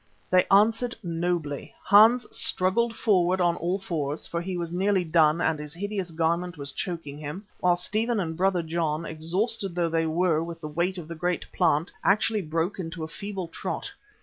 They answered nobly. Hans struggled forward on all fours, for he was nearly done and his hideous garment was choking him, while Stephen and Brother John, exhausted though they were with the weight of the great plant, actually broke into a feeble trot.